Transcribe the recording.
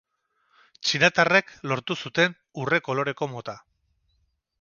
Txinatarrek lortu zuten urre-koloreko mota.